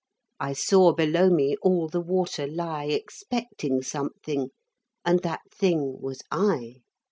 I saw below me all the water lie Expecting something, and that thing was I.